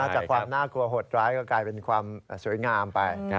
จากความน่ากลัวหดร้ายก็กลายเป็นความสวยงามไป